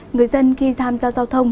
người dân khi tham gia giao thông